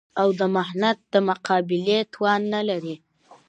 او د محنت د مقابلې توان نه لري